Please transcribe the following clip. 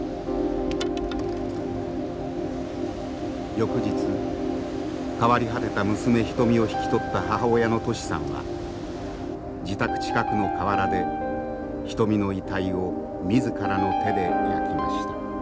翌日変わり果てた娘牟を引き取った母親のトシさんは自宅近くの河原で牟の遺体を自らの手で焼きました。